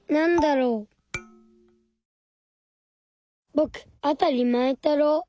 ぼくあたりまえたろう。